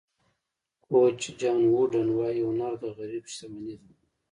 کوچ جان ووډن وایي هنر د غریب شتمني ده.